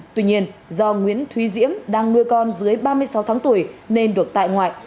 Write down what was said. tuy nhiên do nguyễn thúy diễm đang nuôi con dưới ba mươi sáu tháng tuổi nên được tại ngoại